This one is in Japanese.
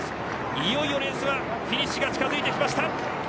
いよいよフィニッシュが近づいてきました。